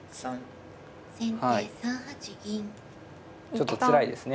ちょっとつらいですね。